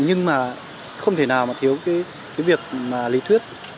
nhưng mà không thể nào mà thiếu cái việc mà lý thuyết